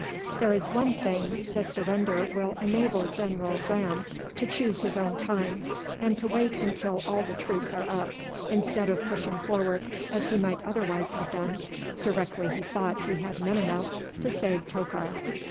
There is one thing, the surrender will enable General Graham to choose his own time, and to wait until all the troops are up, instead of pushing forward, as he might otherwise have done, directly he thought he had men enough, to save Tokar."